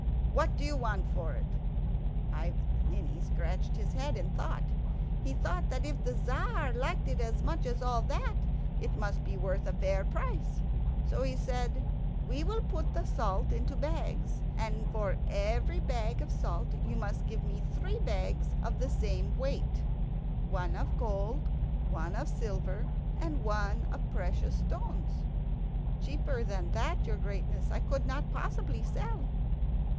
What do you want for it?" Ivan the Ninny scratched his head and thought. He thought that if the Tzar liked it as much as all that it must be worth a fair price, so he said, "We will put the salt into bags, and for every bag of salt you must give me three bags of the same weight one of gold, one of silver, and one of precious stones. Cheaper than that, your greatness, I could not possibly sell."